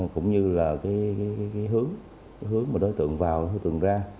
cũng như là cái hướng cái hướng mà đối tượng vào đối tượng ra